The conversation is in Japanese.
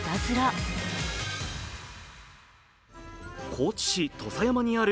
高知市土佐山にある。